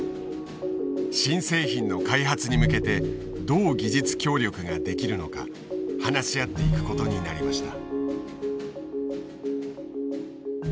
新製品の開発に向けてどう技術協力ができるのか話し合っていくことになりました。